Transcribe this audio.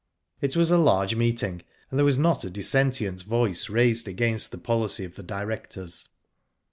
It was a large meeting, and there was not a d ssentient voice raised against the policy of the direcjcors.